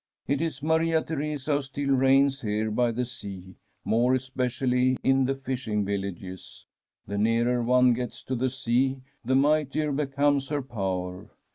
It is Maria Theresa who still reigns here by the sea, more especially in the fishing villages. The nearer one gets to the sea, the mightier becomes her power.